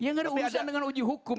ya gak ada urusan dengan uji hukum